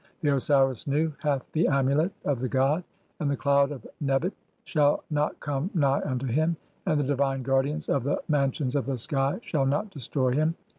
The Osiris Nu "hath the amulet (?) of the god, and (17) the cloud of Nebt "shall not come nigh unto him, and the divine guardians of the "mansions of the sky shall not destroy him.